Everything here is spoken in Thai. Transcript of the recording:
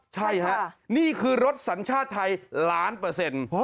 ใช่ฮะนี่คือรถสัญชาติไทยล้านเปอร์เซ็นต์